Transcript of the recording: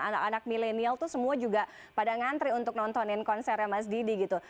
anak anak milenial itu semua juga pada ngantri untuk nontonin konsernya mas didi gitu